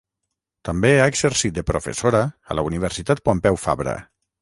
També ha exercit de professora a la Universitat Pompeu Fabra.